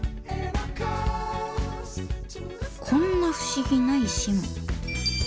こんな不思議な石も。